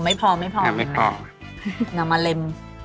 อ๋อไม่พอเลยนะครับน้ำน้ำไม่พอน้ำมาเล็ม